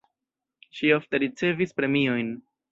Ŝi ofte ricevis premiojn.